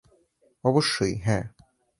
অবশ্যই, হ্যাঁ।